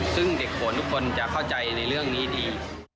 ซึ่งเด็กขนทุกคนจะเข้าใจในเรื่องนี้ดี